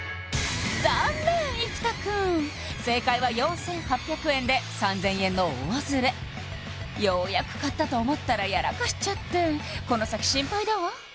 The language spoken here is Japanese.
残念生田くん正解は４８００円で３０００円の大ズレようやく買ったと思ったらやらかしちゃってこの先心配だわ！